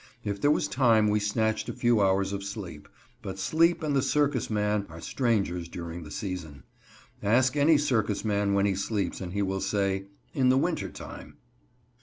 If there was time, we snatched a few hours of sleep. But sleep and the circus man are strangers during the season. Ask any circus man when he sleeps, and he will say, "In the winter time."